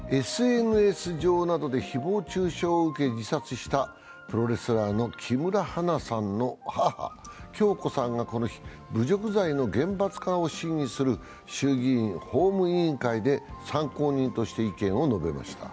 ＳＮＳ上などで誹謗中傷を受け、自殺したプロレスラーの木村花さんの母・響子さんがこの日、侮辱罪の厳罰化を審議する衆議院法務委員会で参考人として意見を述べました。